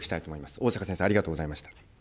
逢坂先生、ありがとうございました。